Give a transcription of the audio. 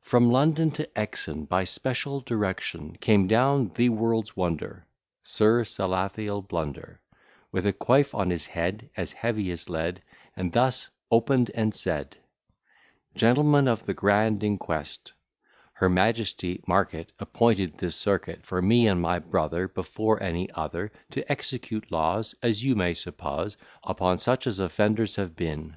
From London to Exon, By special direction, Came down the world's wonder, Sir Salathiel Blunder, With a quoif on his head As heavy as lead; And thus opened and said: Gentlemen of the Grand Inquest, Her majesty, mark it, Appointed this circuit For me and my brother, Before any other; To execute laws, As you may suppose, Upon such as offenders have been.